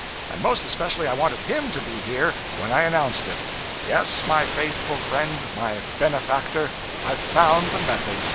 And most especially I wanted _him _to be here when I announced it. Yes, my faithful friend, my benefactor, I've found the method!